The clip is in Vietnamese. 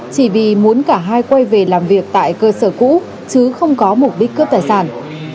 chỉ vì muốn cả hai quay về làm việc tại cơ sở cũ chứ không có mục đích cướp tài sản